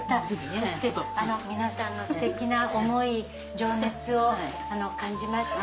そして皆さんのステキな思い情熱を感じました。